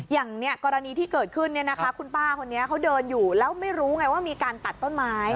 อย่างกรณีที่เกิดขึ้นเนี่ยนะคะคุณป้าคนนี้เขาเดินอยู่แล้วไม่รู้ไงว่ามีการตัดต้นไม้